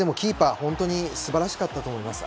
本当に素晴らしかったと思います。